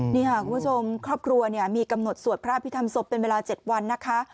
นี่ค่ะคุณผู้ชมครอบครัวมีกำหนดสวดพระอภิษฐรรศพเป็นเวลา๗วันนะคะ